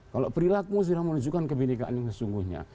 kalau perilakumu sudah menunjukkan kebenikan yang sesungguhnya